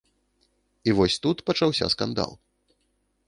І вось тут пачаўся скандал.